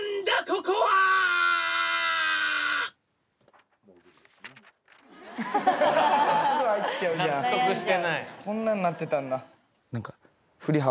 こんなんなってたんだ。